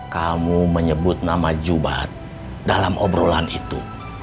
kamu menyebut nama jubat dalam obrolan itu